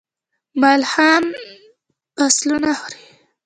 ملخان فصلونه خوري.